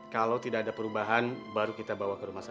kalau tidak ada perubahan baru kita bawa ke rumah sakit